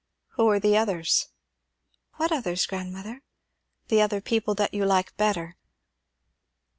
"Who are the others?" "What others, grandmother?" "The other people that you like better."